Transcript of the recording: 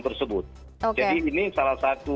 tersebut jadi ini salah satu